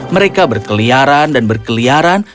mereka berkeliaran dan berkeliaran